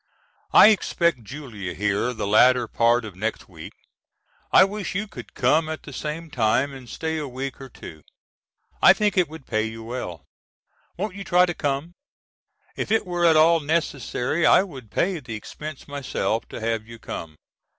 I expect Julia here the latter part of next week. I wish you could come at the same time and stay a week or two. I think it would pay you well. Won't you try to come? If it were at all necessary I would pay the expense myself to have you come.